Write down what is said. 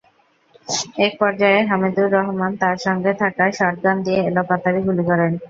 একপর্যায়ে হামিদুর রহমান তাঁর সঙ্গে থাকা শটগান দিয়ে এলোপাতাড়ি গুলি করেন।